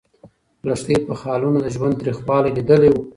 لښتې په خالونو د ژوند تریخوالی لیدلی و.